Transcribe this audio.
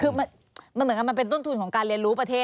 คือมันเหมือนกับมันเป็นต้นทุนของการเรียนรู้ประเทศ